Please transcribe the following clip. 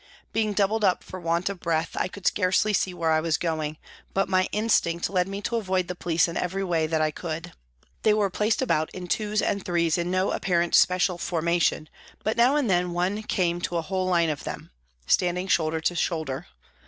Being doubled up for want of breath, I could scarcely see where I was going, but my instinct led me to avoid the police in every way that I could. They were placed about in twos and threes hi no apparent special formation, but now and then one came to a whole line of them, standing shoulder to shoulder.